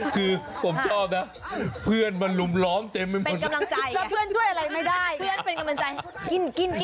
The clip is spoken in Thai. ก็คือผมชอบนะเพื่อนมันลุมล้อมเต็มทั้งหมด